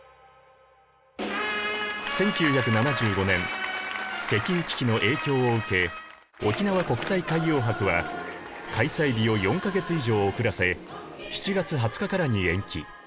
１９７５年石油危機の影響を受け沖縄国際海洋博は開催日を４か月以上遅らせ７月２０日からに延期。